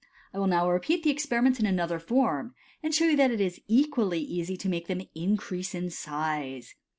I will now rvueat the experiment in another form, and show you that it is equal lv easy to make them increase in size.